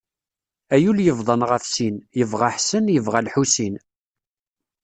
A yul yebḍan ɣef sin, yebɣa ḥsen, yebɣa lḥusin.